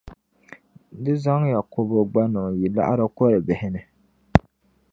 di zaŋya kɔbo gba n-niŋ yi liɣiri kolibihi ni.